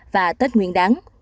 và tết nguyên đáng